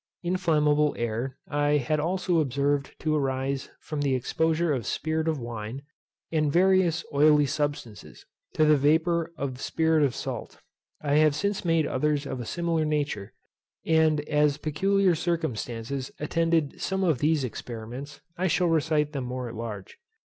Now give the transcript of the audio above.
Inflammable air I had also observed to arise from the exposure of spirit of wine, and various oily substances, to the vapour of spirit of salt. I have since made others of a similar nature, and as peculiar circumstances attended some of these experiments, I shall recite them more at large.